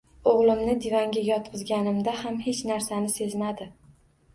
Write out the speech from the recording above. O`g`limni divanga yotqizganimizda ham hech narsani sezmadi